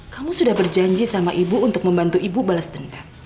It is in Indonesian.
kamu sudah berjanji sama ibu untuk membantu ibu balas denda